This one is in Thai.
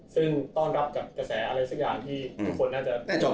ซึ่งต้อนรับกับกระแสอะไรสักอย่างที่ทุกคนน่าจะจบ